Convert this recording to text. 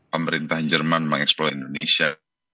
pemerintah jerman mengeksplor indonesia